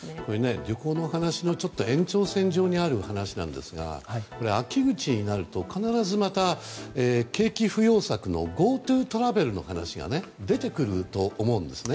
旅行の話の延長線上にある話なんですが秋口になると、必ずまた景気浮揚策のＧｏＴｏトラベルの話が出てくると思うんですね。